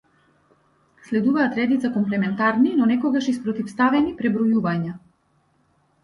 Следуваат редица комплементарни, но некогаш и спротивставени пребројувања.